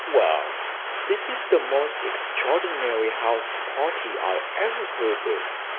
"Well, this is the most extraordinary house party I ever heard of.